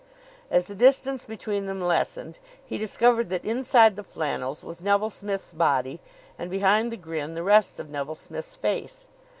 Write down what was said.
As the distance between them lessened, he discovered that inside the flannels was Neville Smith's body and behind the grin the rest of Neville Smith's face.